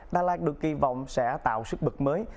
đà lạt được kỳ vọng sẽ tạo sức bực mới